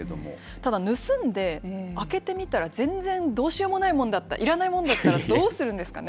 ただ、盗んで、開けてみたら全然どうしようもないものだった、いらないものだったらどうするんですかね？